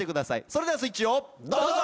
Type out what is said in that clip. それではスイッチをどうぞ。